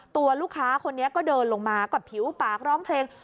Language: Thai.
ตัวลูกค้าคนนี้ก็เดินลงมาก็ผิวปากร้องเพลง